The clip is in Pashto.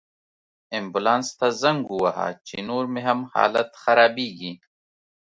امبولانس ته زنګ ووهه، چې نور مې هم حالت خرابیږي